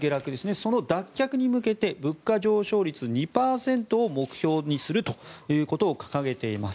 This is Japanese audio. その脱却に向けて物価上昇率２％を目標にするということを掲げています。